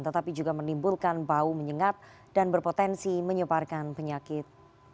tetapi juga menimbulkan bau menyengat dan berpotensi menyebarkan penyakit